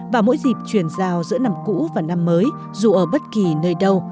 và mỗi dịp chuyển giao giữa năm cũ và năm mới dù ở bất kỳ nơi đâu